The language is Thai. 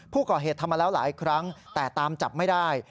ผู้ก่อเหตุทำมาแล้วหลายครั้งแต่ตามจับไม่ได้